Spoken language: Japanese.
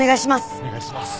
お願いします！